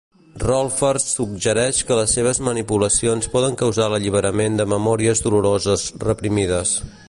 Rolfers suggereix que les seves manipulacions poden causar l'alliberament de memòries doloroses reprimides.